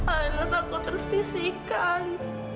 alina takut tersisikan